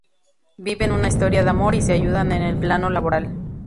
Viven una historia de amor y se ayudan en el plano laboral.